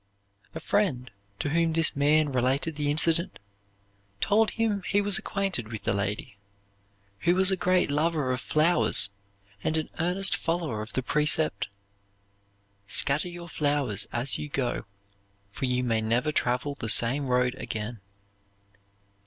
A friend to whom this man related the incident told him he was acquainted with the lady, who was a great lover of flowers and an earnest follower of the precept: "Scatter your flowers as you go, for you may never travel the same road again."